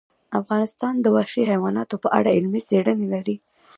افغانستان د وحشي حیواناتو په اړه علمي څېړنې لري.